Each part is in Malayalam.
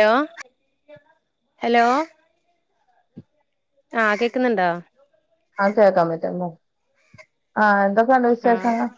ഹലോ ഹലോ ആ കേക്കുന്നുണ്ടോ ആ കേൾക്കാൻ പറ്റും എന്താന്ന് ആ എന്താന്ന് ന്തുണ്ട് ആഹ് വിശേഷങ്ങൾ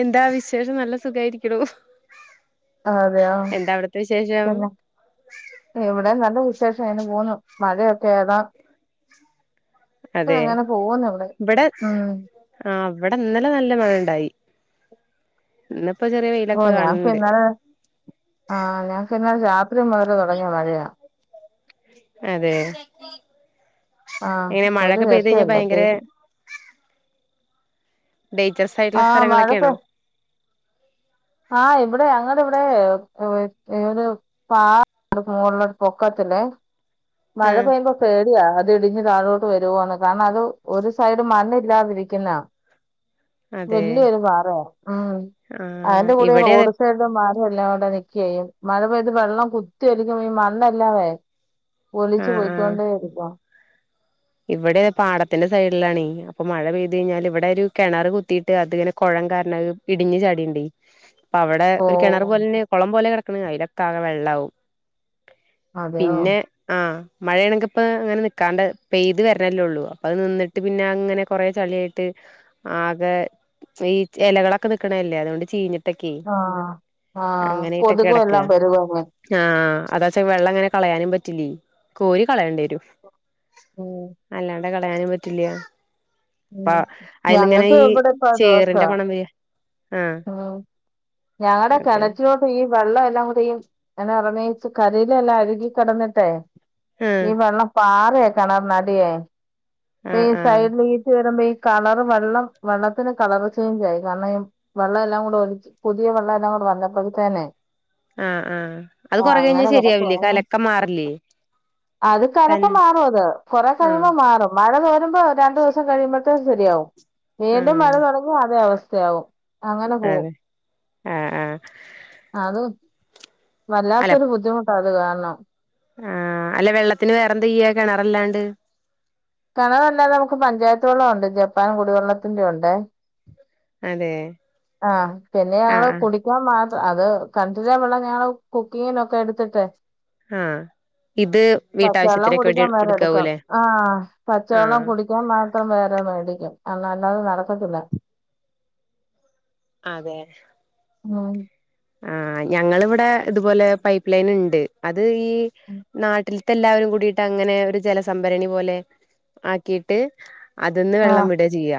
എന്താ വിശേഷം നല്ല സുഖമായിരിക്കണു അതെയോ പിന്നെ ഇവിടേം നല്ല വിശേഷം ഇങ്ങനെ പോണു മഴയൊക്കെ ഏതാ ഇവിടെ അതെ അങ്ങനെ പോകുന്നുണ്ട് ഇവിടെ ഉം. ആഹ് ഇവിടെ ഇന്നലെ നല്ല മഴണ്ടായി ഇന്ന് ഓ ഞാ പ്പം ഇന്നലെ ആ ഞാൻ [unintelligible] ത്രി മുതല് തുടങ്ങിയ മഴയാ അതെ ആ എങ്ങനെ ഒരു മഴയൊക്കെ പെയ്ത് കഴിഞ്ഞാൽ രസല്ല ഭയങ്കര [unintelligible] ഡേയിചെസ് ആയിട്ടുള്ള സ്ഥലങ്ങളൊക്കെയാണോ ആ ഇവിടെ അങ്ങടെ ഇവിടെ ഒ ഒരു പാ മോളില് പൊക്കത്തില്ലേ മഴ ആഹ് പെയ്യുമ്പോ പേടിയാ അ ഇതിടിഞ്ഞു താഴോട്ട് വരുവോന്ന് കാരണം അത് ഒരു സൈഡ് മണ്ണില്ലാതിരികിന്ന അതെ വല്ല്യരു പാറ മ് ആഹ് അയന്റെ കൂടെ ഈ ഇവിടെ അതെ റോഡ് സൈഡ് മാ എല്ലാം കൂടേ നിക്കെയും മഴ പെയ്ത് വെള്ളം കുത്തിയൊലിഞ്ഞു പോയി മണ്ണെല്ലാ വേ ഒലിച്ച് ആഹ് ആഹ് പോയ്ക്കോണ്ടേരിക്കാ ഇവിടെ പാടത്തിന്റെ സൈഡിലാണേ അപ്പൊ മഴ പെയ്തു കഴിഞ്ഞാൽ ഇവിടെ ഒരു കിണർ കുത്തീട്ട് അത്ങ്ങനെ കുഴം കാരണം ഇടിഞ്ഞ് ചാടിണ്ടേ അവടെ ഓ ഒരു കിണറ് പോലെന്നെ കുളം പോലെ ക ക്ണ് അയിലകാവേ വെള്ളാവും അതെയോ പിന്നെ ആഹ് മഴ ആണെങ്കി ഇപ്പ അങ്ങനെ നിക്കാണ്ട് പെയ്ത് വെര്ണല്ലെ ഒള്ളു അപ്പ അയ് നിന്നിട്ട് പിന്നെ അയ് ഇങ്ങനെ കൊറെ ചളി ആയിട്ട് ആകെ ഇപ്പ ഈ എലകളൊക്കെ നിക്ക്ണെ അല്ലെ അതോണ്ട് ചീഞ്ഞ് ആ ആ ആ കൊതുകും എല്ലാം വെരുവാന്നെ അതാച്ചാ വെള്ളം ഇങ്ങനെ കളയാനും പറ്റില്ലെ കോരി കളയെണ്ടി വെരും ഓ തെ കളയാനും പറ്റില്ലാ അപ്പ ഉം അയിന്ന് ഇങ്ങനെ ഞങ്ങക്ക് ഈ ഇവിടെ ഇപ്പ ചേറിന്റെ ദോഷവാ മണം വെ ഉം ഞങ്ങടെ അതെ കെണറ്റിലോട്ട് ഈ വെള്ള [unintelligible] [unintelligible] പ്പ കരിയില എല്ലാം അഴികി കെടന്നിട്ടെ ആഹ് ഈ വെള്ള പാ അതും എ കെണർന് അടിയെ ഇപ്പ ഈ ആഹ് ആഹ് സൈഡ് വീഴ്ച്ച വെരുമ്പ ഈ കളറ് വെള്ളം വെള്ളത്തിന് കളർ ചേഞ്ച് ആയി കാരണം ഈ വെള്ളം എല്ലാം കൂടെ ഒലിച്ച് പുതിയ വെള്ളം എല്ലാം കൂടെ വന്നപ്പെഴ്‌ത്തെനെ ആഹ് ആഹ് അത് ഓ കൊറേ കഴിഞ്ഞാ അങ്ങനെ ശരിയാവില്ലേ കെടക്കുവാന്ന് കലക്കം മാറില്ലേ അത് തൻ കലക്കം മാറും അത് കൊറെ ആഹ് കഴിയുമ്പോ മാറും മഴ തോരുമ്പോ രണ്ടു ദിവസം കഴിയുമ്പോ [unintelligible] ശരിയാവും വീണ്ടും ആഹ് മഴ തൊടങ്ങി അതേ അവസ് ആവും അങ്ങനെ പോവും അതെ ആഹ് ആഹ് അത് അല്ല വല്ലാത്തൊരു ബുദ്ധിമുട്ടാ ത് കാരണം ആഹ് അല്ല വെള്ളത്തിന് വേറെന്ത്‌ ചെയ്യാ കെണറല്ലാണ്ട് കെണറല്ലാതെ നമുക്ക് പഞ്ചായത്ത് വെള്ളം ഒണ്ട് ജപ്പാൻ കുടിവെള്ളത്തിന്റെ ഒണ്ടേ. തേ ആഹ് പിന്നെ ഞങ്ങള് കുടിക്കാൻ മാ അത് കെണറ്റിലെ വെള്ളം ഞങ്ങള് കുക്കിങ്ങിനൊക്കെ എടുത്തിട്ടേ ആഹ് ഇത് പച്ച വെള്ളം വീട്ടാവശ്യത്തിനൊക്കെ വേണ്ടി കുടിക്കാൻ വേറെ എടുക്കാ എടുക്കാവൂല്ലേ ആഹ് പച്ചവെള്ളം ആഹ് കുടിക്കാൻ മാത്രം വേറെ മേടിക്കും. ആഹ് അല്ലാതെ നടക്കത്തില്ല അതെ ഉം ആ ഞങ്ങളിവിടെ ഇതുപോലെ പൈപ്പ് ലൈൻ ഇണ്ട് അത് ഈ നാട്ടി എല്ലാവരും കൂടിട്ട് അങ്ങനെ ഒരു ജല സംഭരണി പോലെ ആക്കിട്ട് അതന്ന് വെള്ളം ആഹ് വിടാ ചെയ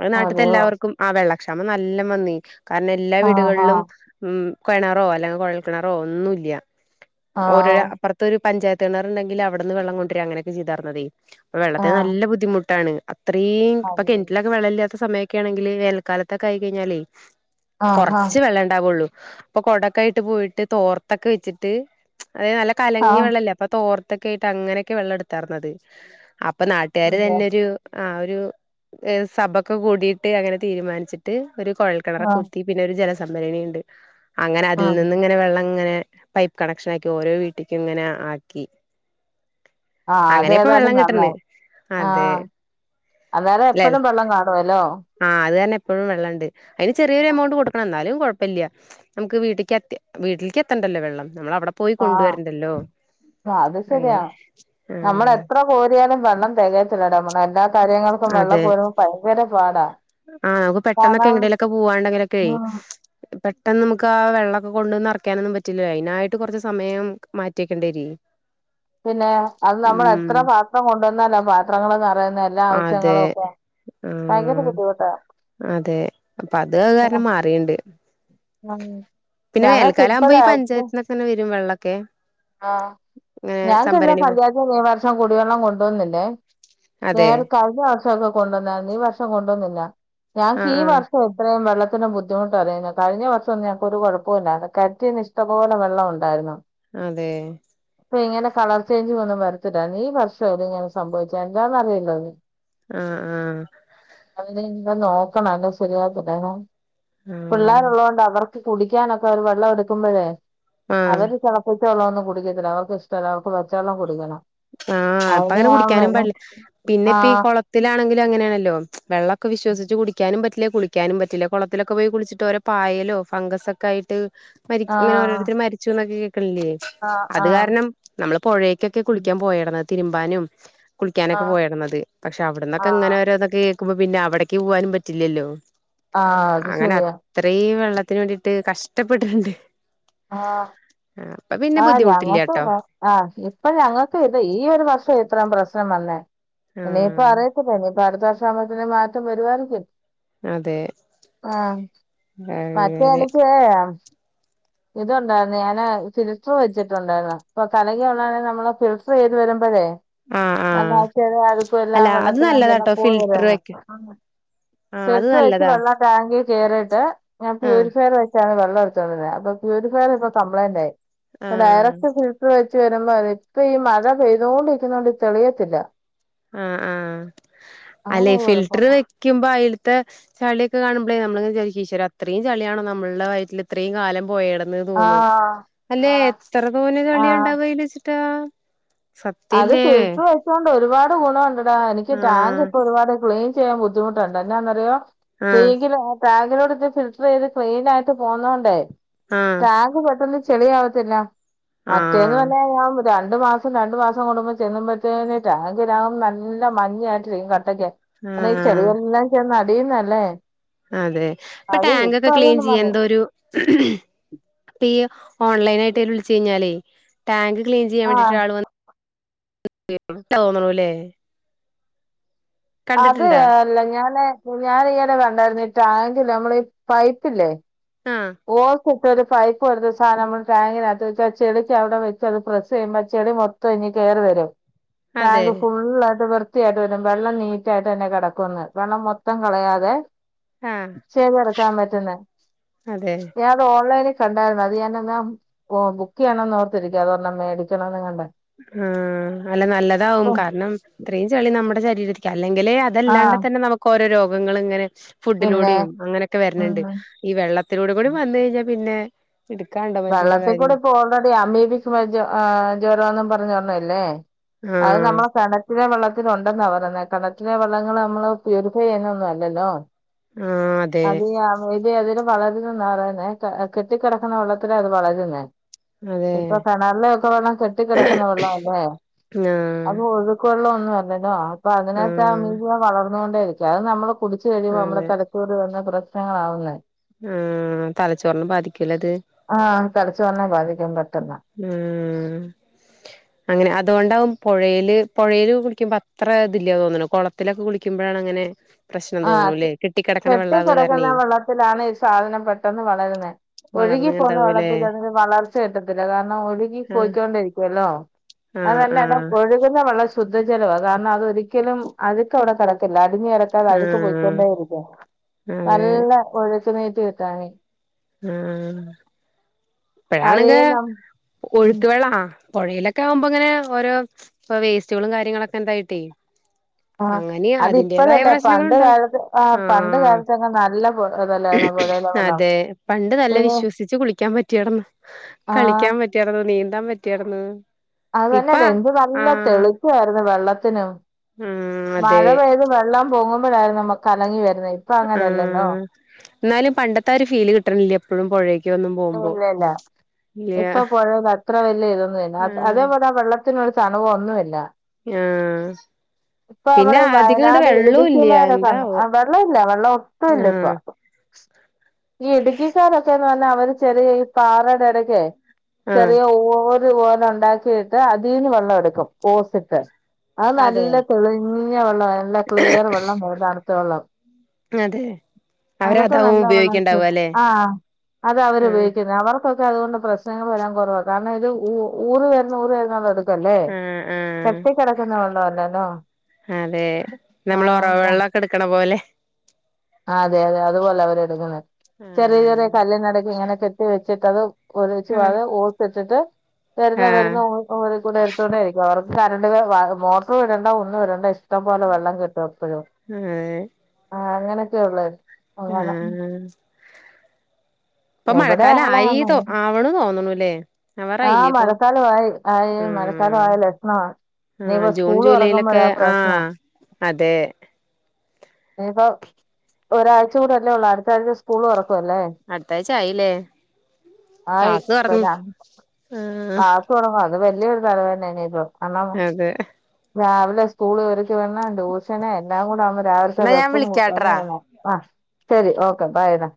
അതെ നാട്ടത്തെ അതെയോ എല്ലാവർക്കും ആ വെള്ള [unintelligible] നല്ല [unintelligible] കാരണ എല്ലാ ആഹ് വീടുകളിലും ആഹ് ഉം കിണാറോ അല്ലെ കുഴൽ കിണാറോ ഒന്നൂല്യ ഉം ഓരോരാ ആഹ് അപ്പുറത്തൊരു പഞ്ചായ കിണറണ്ടങ്കിൽ അവിടുന്ന് വെള്ളം കൊണ്ടുരാ അങ്ങനൊക്കെ ചെയ്തരന്നതേ പ്പ വെള്ളത്തിന് ആഹ് നല്ല ബുദ്ധിമുട്ടാണ് അത്രയും ഇപ്പൊ അതെ കിണറ്റിലൊക്കെ വെള്ളല്ല സമയൊക്കെ ആണെങ്കില് വേനൽക്കാലത്തൊക്കെ ആയി കഴിഞ്ഞാലേ ആഹ് ആഹ് കൊറച്ച് വെള്ള ഇണ്ടാവുള്ളൂ അപ്പൊ കൊടക്കായിട്ട് പോയിട്ട് തോർത്തൊക്കെ വെച്ചിട്ട് അതെ നല്ല കലങ്ങി ആഹ് വെള്ളല്ലേ അപ്പൊ തോർ തൊക്കെ ആയിട്ട് അങ്ങനെയൊക്കെ വെള്ളം എടുത്താരുന്നത് അ ഇപ്പൊ നാട്ടുകാര് അതെ തന്നെരു ആ ഒരു സഭക്കെ കൂടിയിട്ട് അങ്ങനെ തീരുമാനിച്ചിട്ട് ഒരു കുഴൽ കിണറ ആഹ് ഉം കുത്തി പിന്നെ ഒരു ജല സംഭരണിയിണ്ട് അങ്ങനെ അതിൽ ആഹ് നിന്നിങ്ങനെ വെള്ളങ്ങനെ പൈപ്പ് കണക്ഷൻ ആക്കി ഓരോ വീട്ടിക്കും ഇങ്ങനെ ആക്കി ആ അങ്ങനെ ഇപ്പ അതേതായാലും വെള്ളം കിട്ടണ് നന്നായി ആ അതെ അന്നേരം എപ്പഴും വെള്ളം കാണുവല്ലോ പ്പോഴും വെള്ളണ്ട് അതിന് ചെറിയൊരു എമൗണ്ട് കൊടുക്കണം എന്നാലും കൊഴ ഇപ്പല്യാ നമുക്ക് വീട്ടിക്ക് എത്തി വീട്ടിലേക്ക് എത്തണ്ടല്ലോ വെള്ളം നമ്മൾ അവിടെ പോയി ആ കൊണ്ടുവരണ്ടല്ലോ അത് അങ്ങനെ ശരിയാണ് നമ്മൾ ആഹ് എത്ര കോരിയാലും വെള്ളം തികയത്തില്ലടോ നമ്മ എല്ലാ കാര്യങ്ങൾക്കും വെള്ളം അതെ പോരുമ്പോൾ ഭയങ്കര പാടാ ആഹ് നമുക്ക് പെട്ടെന്നൊക്കെ കാരണം എങ്ങട്ടെങ്കിലൊക്കെ പോവാണ്ടെങ്കിലൊക്കെ ഉം പെട്ടെന്ന് നമുക്ക് ആ വെള്ളമൊക്കെ കൊണ്ടുവന്ന് നെറക്കാനൊന്നും പറ്റില്ല അതിനായിട്ട് കുറച്ച് സമയം മാറ്റി വെക്കണ്ടര്യ പിന്നെ അത് നമ്മൾ എത്ര പാത്രം കൊണ്ടോന്നാലാ പാത്രങ്ങൾ നിറയുന്നേ എല്ല അതെ ആവശ്യങ്ങളും ഒക്കെ ഭയങ്കര ആഹ് ബുദ്ധിമുട്ടാ അതെ അപ്പ അത് കാരണം മാറിണ്ട് [unintelligible] പിന്നെ ഞങ്ങൾക്ക് വേൽക്കാലാവുമ്പോ ഈ പഞ്ചായത്തിന്നൊക്കെ വരും വെള്ള ഓക്കെ ആ ഞാൻ ക്കിള്ള പോ പഞ്ചായത്ത് ഈ വർഷം കുടിവെള്ളം കൊണ്ടോന്നില്ലേ അതെ നേരെ കഴിഞ്ഞ വർഷംക്കെ കൊണ്ടോന്നായിരുന്നു ഈ വർഷം ഇപ്പ കൊണ്ടോന്നില്ല ഞാൻക്ക് ആഹ് ഈ ആഹ് വർഷം ഇത്രയും വെള്ള ത്തിനും ബുദ്ധിമുട്ട് അറിയുന്ന കഴിഞ്ഞ വർഷന്നുംഞങ്ങൾക്ക് ഒരു കുഴപ്പല്ലാരുന്നു കെൻറ്റീന്ന് ഇഷ്പോലെ വെള്ളംണ്ടായിരുന്നു. അതെ ഇപ്പൊ ഇങ്ങനെ കളർചേഞ്ച് ഒന്നും വരത്തില്ല ഈ വർഷ ഇങ്ങനെ സംഭവിച്ചാ എഎന്താന്നറിയില്ല ഇനി ആഹ ആഹ എന്നെ നോക്കണം ശരിയാവാത്തി ല്ല ആഹ് പിള്ളാര്‌ ഉള്ളതുകൊണ്ട് അവർക്ക് - കുടിക്കാനൊക്കെ അവര് വെള്ളം എടുക്കുമ്പഴേ- ആഹ് അവര് തെള തിളച്ചവെളളന്നും കുടിക്കത്തില്ല അവർക്ക് ഇഷ്ടല്ല പച്ചവെള്ളം കുടിക്കണം ആഹ അപ്പ അങ്ങനെ അതിന് കുടിക്കാനും പാടില്ല പിന്നെ ആ ഇപ്പ ഈ കുളത്തിലാണെങ്കിലും അങ്ങനെയാണ്. തോം വെള്ളം ഒ വിശ്വിച്ചച്ച് കുടിക്കാനും പറ്റി ലെ കുളിക്കാനും പറ്റില്ല കുളത്തിലൊക്കെ പോയി കുളിച്ചിട്ട് വല്ല പായലോ ഫംഗസ് ഒക്കെ ആയിട്ട് മരി ആഹ് ഓരോരുത്തര് മരിച്ചു എന്നൊക്കെ കേകു ല്യാ ആഹ് ആഹ് അത് ആഹ് കാരണം നമ്മള് പൊഴെക്കൊക്കെ കുളി ൻ പോയടന്ന് തിരുമ്പാനും കുളിക്കാനൊക്കെ ആഹ് പോയെരുന്നത് പക്ഷെ അവിടന്നൊക്കെ ഇങ്ങനെ ആഹ് ഒരുതൊക്കെ ക്കുമ്പോ പിന്നെവിടേക്ക് പോകാനും പറ്റില്ലല്ലോ ആഹ് അത് അങ്ങനെ ശരിയാ അത്രയും വെള്ളത്തിന് വേണ്ടീട്ട് കഷ് ഇഷ്ടപ്പെട്ടിട്ടുണ്ട് ആ പിന്നെ ആ ബുദ്ധിമുട്ടില്ല ഞങ്ങക്ക് ട്ടോ ആ ഇപ്പ ഞങ്ങൾ ഇത് ഈ ഒരു വർഷം ഇത്രയും പ്രശ്നം വന്നേ നേരത്തെ ആഹ് അറിയി [unintelligible] അടുത്ത വർഷാകുമ്പോഴത്തേക്ക് മാറ്റം വരുവായിരിക്കും അതെ ആ മറ്റേ അങ്ങനെ എനിക്ക് ഇത്ണ്ടായിരുന്നു ഞാന് [unintelligible] വെച്ചിട്ടുണ്ടായിരുന്നു അപ്പൊ കലങ്ങി വന്നാല് നമ്മള് ഫിൽറ്റർ ചെയ്ത് വരുമ്പളേ ആഹ് ആഹ് അല്ല അത് നല്ലതാട്ടോ ഫിൽട്ടർ വെക്ക [unintelligible] ആഹ് അത് ഫിൽറ്റർ വച്ച് നല്ലതാ വെള്ളം ടാങ്കി കേറീട്ട് ഞാൻ ആഹ് പ്യൂരിഫൈ ചെയ്തു നിങ്ങളുടെ അടുത്താണല്ലേ പ്യൂരിഫയർ ഇപ്പൊ കമ്പളയ്ന്റ് ആയി പ്പൊ ആഹ് ഡയറക്റ്റ് ഫിൽറ്റർ വെച്ച് പെരുമഴ ഇപ്പൊ മഴ പെയ്തൊണ്ടിരിക്കുന്നത്കൊണ്ട് തെളിയത്തില്ല. ആ അങ്ങനെ അല്ലെ ഒരു ഫിൽട്ടർ കുഴപ്പം വെക്കുമ്പോ അയിൽത്തെ ചെളിയൊക്കെ കാണുമ്പഴേ നമ്മള് വിചാരിക്കും ഈശ്വരാ ഇത്രയും ചെ ചെളിയൊക്കെ ഇത്രേം കാലം പോയടന്ന് ആ തോന്നും അല്ലെ ആ എത്ര തോനെ ആ ചെളിയ ഇണ്ടാവ അതിന്നു റ്റാ അത് ഫിൽറ്റർ വെച്ചൊണ്ട് ഒരുപാട് ഗുണോണ്ടടാ എനിക്ക്ടാങ്ക് ആഹ് പ്പൊരുപാട് ക്ലീൻ ചെയ്യാൻ ബുദ്ധിമുട്ടുണ്ട് എനന്നറിയോ ആഹ് ടേങ്കിലോ ആ ട്ടാ ഇതിലൂടെ ഇത് ഫിൽട്ടറെയ്ത് ക്ലീനായിട്ട് പോന്നോണ്ടേ ആഹ് ടാങ്ക് പെട്ടെന്ന് ചെളിയാവത്തില്ല മറ്റേന്ന് ആഹ് പിന്നെ ഞാൻ രണ്ട് മാസം രണ്ട് മാ സം കൂടുമ്പോ ചെല്ലുമ്പത്തേന് ടാഗ് ടാം നല്ല മഞ്ഞായിട്ടിരിക [unintelligible] ചെളിയെല്ലാം ചെന്ന [unintelligible] ന്നല്ലേ ആലെ ഇപ്പൊ ടാങ്കൊക്കെ ക്ലീൻ ചെയ്യാൻ മതി ന്തോരു പി ഓൺലൈനായിട്ട് ഓല് വിളിച് കയ്ഞാലെ ടാങ്ക് ക്ലീൻ ചെയ്യാൻ വേണ്ടിട്ട് ആഹ് ഒരാള് വ [unintelligible] ട്ടാവും തോന്നണല്ലേ അത് അല്ല ഞാന് ഞാനിങ്ങനെകണ്ടായിരുന്നു ടാങ്ക് ലെ നമ്മളെ ഈ പൈപ്പില്ലേ ആഹ് ഓ ക്ക്ട്ടൊ ഒരു പൈപ്പ് പോലത്തെ ഒരു സാനം നമ്മള് ടാങ്ങിനകത്ത് വെച്ച് ചെളിക്ക് അവിടെ വെച്ച് അത് പ്രസ്സെയ്യുമ്പോ ചെളി മൊത്തം ഇങ് കേറി വരും അതെ ടാങ്ക് ഫുള്ളായിട്ട് വൃ ത്യായിട്ട് വരും വെള്ളം നീറ്റായിട്ട് തന്നെ കെടക്കൊന്ന് വെള്ളം മൊത്തം കളയാതെ ആഹ് ചെവിയടക്കാം പറ്റുന്നെ അതെ ഞാൻ ഇത് ഓൺല യിനിൽ കണ്ടായിരുന്നു അത് ഞാനാ ന്നാആ ബുക്ക് ചെയ്യണം ഓർത്തിരിക്ക അതൊരെണ്ണം മേടിക്കണംന്ന് കണ്ട് ആ അല്ല ന അപ്പൊ [unintelligible] അല്ലെങ്കിലേ അതല്ലാണ്ട ആഹ് തന്നെ നമുക്ക് ഓരോ രോ അസുഖങ്ങളിങ്ങനെ പിന്നെ ഫുഡിലൂടിം അങ്ങനെക്കെ വരണണ്ട് ഉം ഈ വെള്ളത്തിലൂടെ കൂടിം വന്ന് കഴിഞ്ഞാ പിന്നെ എടുക്കാണ്ടോ മനുഷ്യന്റെ വെള്ളത്തിക്കൂടി കാര്യം ഇപ്പൊ ഓൾറെഡി അമീബിക്ക് വജ്വ ആ ജ്വരോന്നും പറ ഞ്‌ ഒരണ്ണല്ലേ അഅ് ആഹ് നമ്മളെ കെണറ്റിലെ വെള്ള ൽ ഉണ്ടെന്നാ പറഞ്ഞത് കെണറ്റിലെ വെള്ളങ്ങൾ നമ്മള് പ്യൂരിഫൈ ചെയ്യുന്ന ഒന്നും അല്ലല്ലോ. ആഹ് അതെ അതീയമീബി ഇ അതില് വളരുന്നാ പറയുന്നേ കെട്ടിക്കിടക്കുന്ന വെള്ളത്തിലാ അത് വളരുന്നേ അതെ ഇപ്പൊ കെണറിലൊക്കെ വെള്ളം കെട്ടിക്കിടക്കുന്ന വെള്ളം അല്ലേ ആഹ് അത് ഒഴുക്ക് വെള്ളം ന്നു പറഞ്ഞെന്നു ആ അപ്പൊ അതിനാത്ത് ആഹ് അമീബിയ വളർ ന്നോണ്ടെരിക്കും അത് നമ്മള് കുടിച്ച് കഴിയുബോ നമ്മള തല ന്നാ പ്രശ്നങ്ങളാവുന്നേ. ആ തലച്ചോറിനെ ബാധിക്കൂലത്. ആഹ് തലച്ചോറിനെ ബാധിക്കും പെട്ടെന്ന് ഉം അങ്ങനെ അതോണ്ടാവും പൊഴേല പൊഴേല് കുളിക്ക്ബോ അത്ര ഇതില്ല തോന്ന്ണ് കുളത്തിലൊക്കെ കുളിക്കുമ്പോഴാണ് അങ്ങനെ പ്രശ്നം ആ തോന്നണൂല്ലേ കെട്ടിക്കിടക്കണ വെള്ളാവ് കാരണേ കെട്ടിക്കിടക്കുന്ന വെള്ളത്തിലാണ്ഈ സാധനം പെട്ടെന്ന് വളരുന്നെ വളർന്ന് ഒഴുകിപ്പോകുന്ന ഇണ്ടാവൂല്ലേ വെള്ളത്തിൽ അതിന് വളർച്ച കിട്ടത്തില്ല കാരണം ഒഴുകി ആഹ് പോയിക്കൊണ്ടിരിക്കുവ ലോ ആഹ് അതല്ലട ആഹ് ഒഴുകുന്ന വെള്ള ശുദ്ധജലവാ കാരണം അതൊരിക്കലും അഴുക്ക് അവിടെ കെടക്കില്ല അടിഞ്‌ ത അഴുക്ക് ആഹ് പോയിക്കൊണ്ടേരിക്കാണ്. അതെ നല്ല ഒലിക്കുന്ന താണെ അ ആഹ് അതേ ഇപ്പഴാണെങ്കെ നം ഉം ഒഴുത്ത് വെള്ളാ പുഴയിലൊക്കെ ആകുമ്പോ ഇങ്ങനെ ഓരോ ഇപ്പോ വേസ്റ്റുകളും കാര്യങ്ങളൊക്കെ എന്തായിട്ടേ ആ അങ്ങനെ അതിന്റേതായ അതിപ്പഴല്ലേ പണ്ട് പ്രശ്നങ്ങളുണ്ടാവും കാലത്ത് ആ പണ്ട് ആഹ് കാലത്തൊക്കെ നല്ല ഇതല്ലായിരുന്നോ പുഴയിലെ വെള്ളം അതെ പണ്ട് നല്ല ഏഹ് വിശ്വസിച്ച് കുളിക്കാൻ പറ്റിയടന്ന ആഹ് കളിക്കാൻ പറ്റിടന്നോ നീന്ത എന്താൻ പറ്റിയടന്ന് അത് തന്നെ അല്ലേ എന്ത് നല്ല തെളിച്ചായിരുന്നു വെള്ളത്തിനും ഉം മഴ അതെ പെയ്ത് വെള്ളം പൊങ്ങും ഇപ്പോഴായിരുന്നു കലങ്ങി വരുന്നെ ഇപ്പൊ ആ അങ്ങനെയല്ലല്ലോ എന്നാലും പണ്ടത്താരൂ ഫീല് കിട്ടണില്ലേ എപ്പോഴും പുഴയില് ഇല്ല ഇല്ല ഇപ്പൊ പുഴയിൽ അത്ര വലിയ ഇതൊന്നും ഇല്ല ആഹ് അതേപോലെ വെള്ള ത്തിനൊരു തണുവോ ഒന്നുമില്ല ആഹ് ഇപ്പൊ പിന്നെ നമ്മടെ ഈ അധികം അങ്ങട് വയനാട് വെള്ളോം ഇല്ല ഇടുക്കിമാനൊ എന്താവോ വെള്ളം ഇല്ല വെള്ളം ഒട്ടുമില്ല ഇപ്പൊ ആഹ് ഈ ഇടുക്കിക്കാരൊക്കെയെന്നു പറഞ്ഞാ അവര് ചെറിയ ഈ പാറടെ ഇടക്കെ ആഹ് ചെറിയ ഓവ് ഇത് പോലെ ഉണ്ടാക്കിട്ട് അതീന്ന് വെള്ളം എടുക്കും ഓസിട്ട് അത് അതെ നല്ല തെളിഞ്ഞ വെള്ളം നല്ല ക്ലിയർ വെള്ളം ഏതാണ് പച്ചവെള്ളം അതെ അതൊക്കെ അവരതാവും നല്ല വെള്ളമായിട്ട് ഉപയോഗിക്കണ്ടാവ അല്ലെ ആഹ് അത ആഹ് അവരുപയോഗിക്കുന്ന അവർ ക്കെതുകൊണ്ട് പ്രശ്നങ്ങൾ വരാൻ കുറവാണ് കാരണം ഇത് ഊ ഊറി വരുന്ന ഊറി വരുന്ന വെള്ളം ല്ലേ ആഹ് ആഹ് കെട്ടി കിടക്കുന്ന വെള്ളല്ല ആ അതെ നമ്മൾ ഉറവ് വെള്ളമൊക്കെ എടുക്കണ പോലെ അതെ അതെ അതുപോലെ അവരെ എടുക്കുന്ന ചെറിയ ആഹ് ചെറിയ കല്ലിന്റെയിടക്ക് ഇങ്ങനെ കെട്ടി വെച്ചിട്ടത് ഒരൂച്ചേ ആഹ് വായേ ഓസിട്ട് എന്നിട്ട് തരുന്ന ആഹ് വരുന്ന കോരി എരുത്തുകോണ്ടേ ആയിരിക്കും അവർക്ക് കറണ്ട് മോട്ടർ ഇടണ്ട ഒന്നും ഇടണ്ട ഇഷ്ടംപലെ വെള്ളം കിട്ടും എപ്പഴും ഹേ.. ആ അങ്ങനെ ത്തെ ഉള്ള ആഹ് ഇപ്പൊ എവിടെ മഴക്കാല ആളാണ് ആയിതോ ആവണ തോന്നണ ല്ലെ ആ മഴക്കാലമവായി ആയി ഉം മഴക്കാലമായ ലക്ഷണാ ആഹ് ഇനിയിപ്പ ജൂൺ സ്കൂള് തുറക്കുമ്പോഴ ജൂലൈയിലൊക്കെ പ്രശ്ന ആഹ് അതെ ഇപ്പൊ ഒരാഴ്ച കൂടെ അല്ലേ ഉള്ളൂ അടുത്ത ആഴ്ച സ്കൂൾ തുറക് അടുത്ത ആയിച്ച ആയി ല്ലേ ക്ലാസ് തുറ ആക്കു [inaudible] അത് വലിയൊരു തലവേനന്നേ ഇപ്പൊ അതെ രാവിലെ സ്കൂള് ഒരുക്കിവിടണം ട്യൂഷന് എല്ലാം കൂടെ ആവു രാവിലത്ത എന്നാ ഞാൻ വെപ്പും വിളിക്കാട്രാ [inaudible] ണം ആ ശരി ഓക്കെ ബൈ ഡാ